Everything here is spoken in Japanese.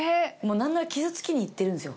何なら傷つきに行ってるんですよ。